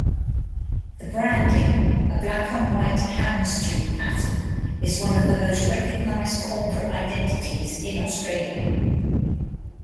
The branding-a black-on-white houndstooth pattern-is one of the most recognized corporate identities in Australia.